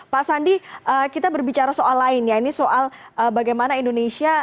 pak sandi kita berbicara soal lain ya ini soal bagaimana indonesia